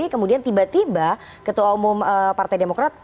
kemudian tiba tiba ketua umum partai demokrat